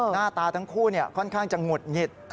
หน้าตาทั้งคู่ค่อนข้างจะหงุดหงิด